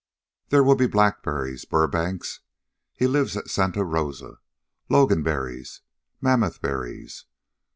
There will be blackberries Burbank's, he lives at Santa Rosa Loganberries, Mammoth berries.